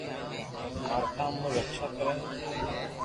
ماري ماتا اموري رڪݾہ ڪري ھي